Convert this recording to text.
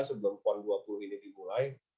sebelum pon dua puluh ini dimulai